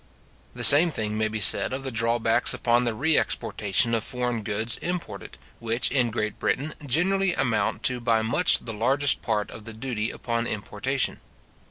The same thing may be said of the drawbacks upon the re exportation of foreign goods imported, which, in Great Britain, generally amount to by much the largest part of the duty upon importation.